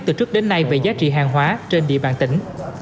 từ trước đến nay về giá trị hàng hóa trên địa bàn tỉnh